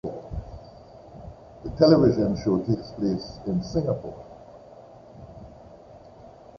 The television show takes place in Singapore.